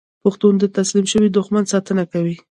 پښتون د تسلیم شوي دښمن ساتنه کوي.